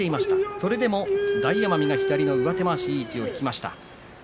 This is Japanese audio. それでも大奄美左の上手まわしを引きました。